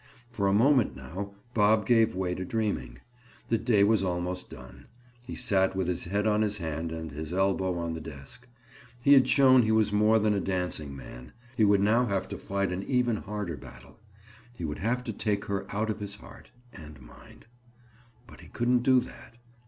For a moment now Bob gave way to dreaming; the day was almost done. He sat with his head on his hand and his elbow on the desk. He had shown he was more than a dancing man. He would now have to fight an even harder battle. He would have to take her out of his heart and mind. But he couldn't do that.